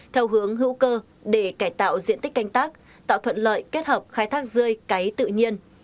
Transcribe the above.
theo hướng hữu cơ để cải tạo diện tích canh tác tạo thuận lợi kết hợp khai thác rươi cấy tự nhiên